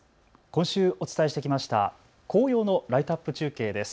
今週お伝えしてきました紅葉のライトアップ中継です。